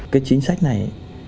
cái chính sách này